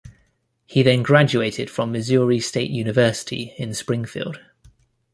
He then graduated from Missouri State University in Springfield.